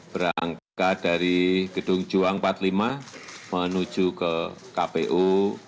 berangkat dari gedung juang empat puluh lima menuju ke kpu